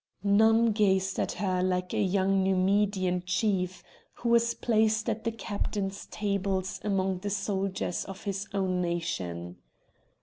None gazed at her like a young Numidian chief, who was placed at the captains' tables among soldiers of his own nation.